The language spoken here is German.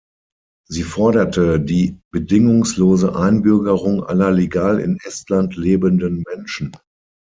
Sie forderte die bedingungslose Einbürgerung aller legal in Estland lebenden Menschen.